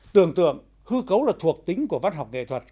tưởng tượng hư cấu là thuộc tính của văn học nghệ thuật